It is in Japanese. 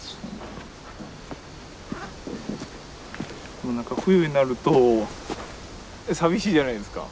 もう何か冬になると寂しいじゃないですか